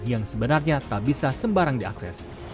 yang sebenarnya tak bisa sembarang diakses